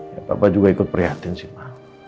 ya papa juga ikut prihatin sih ma